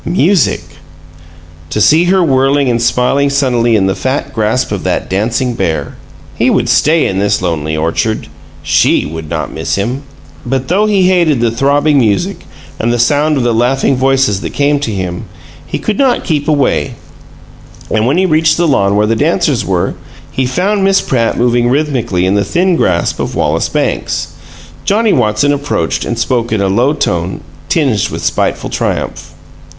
Music! To see her whirling and smiling sunnily in the fat grasp of that dancing bear! He would stay in this lonely orchard; SHE would not miss him. But though he hated the throbbing music and the sound of the laughing voices that came to him, he could not keep away and when he reached the lawn where the dancers were, he found Miss Pratt moving rhythmically in the thin grasp of Wallace Banks. Johnnie Watson approached, and spoke in a low tone, tinged with spiteful triumph.